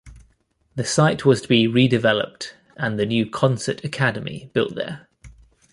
The site was to be redeveloped and the new Consett Academy built there.